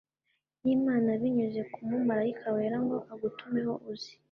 y Imana binyuze ku mumarayika wera ngo agutumeho uze